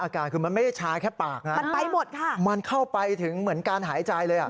อาการคือมันไม่ได้ชาแค่ปากนะมันไปหมดค่ะมันเข้าไปถึงเหมือนการหายใจเลยอ่ะ